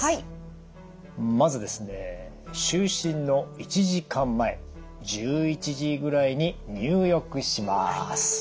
まずですね就寝の１時間前１１時ぐらいに入浴します。